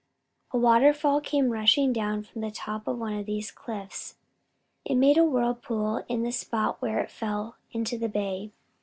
A waterfall came rushing down from the top of one of these cliffs. It made a whirlpool in the spot where it fell into the bay.